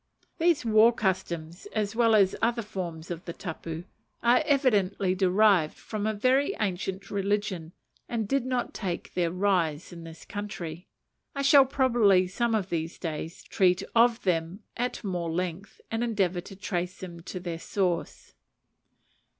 These war customs, as well as other forms of the tapu, are evidently derived from a very ancient religion, and did not take their rise in this country. I shall, probably, some of these days, treat of them at more length, and endeavour to trace them to their source.